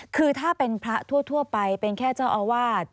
คือถ้าเป็นพระทั่วไปเป็นแค่เจ้าอาวาส